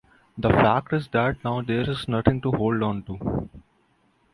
The fact is that now there’s nothing to hold on to.